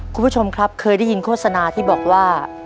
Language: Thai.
คุณผู้ชมครับเคยได้ยินโฆษณาที่บอกว่า